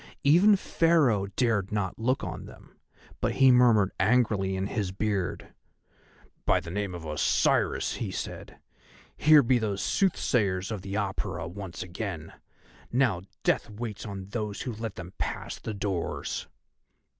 Even Pharaoh dared not look on them, but he murmured angrily in his beard: "By the name of Osiris," he said, "here be those Soothsayers of the Apura once again. Now Death waits on those who let them pass the doors."